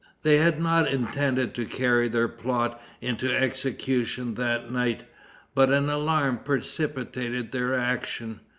They had not intended to carry their plot into execution that night, but an alarm precipitated their action.